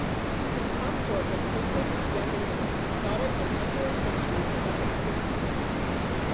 His consort was Princess Yamanobe, daughter of Emperor Tenji, thus his cousin.